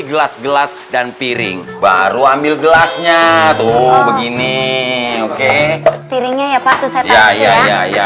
gelas gelas dan piring baru ambil gelasnya tuh begini oke piringnya ya pak tuh saya